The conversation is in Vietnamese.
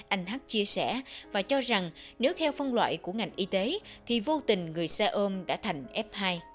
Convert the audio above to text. anh hc chia sẻ và cho rằng nếu theo phân loại của ngành y tế thì vô tình người xe ôm đã thành f hai